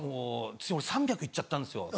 「ついに俺３００行っちゃったんですよ」。